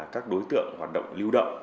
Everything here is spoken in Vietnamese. các đối tượng hoạt động lưu động